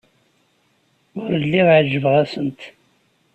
Ur lliɣ ɛejbeɣ-asent.